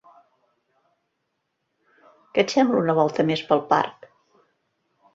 Què et sembla una volta més pel parc?